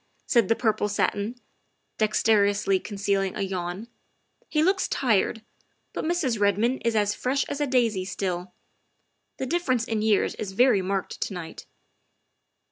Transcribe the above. said the purple satin, dex terously concealing a yawn ; "he looks tired, but Mrs. Redmond is as fresh as a daisy still. The difference in years is very marked to night."